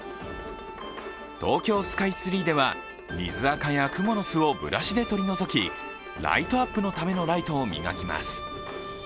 東京スカイツリーでは水あかやくもの巣をブラシで取り除きライトアップのためのライトを磨きます。